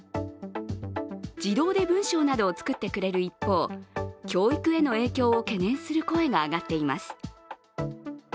自動で文章などを作ってくれる一方、教育への影響を懸念する声が上がっています。